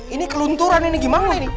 ini kelunturan ini gimana ini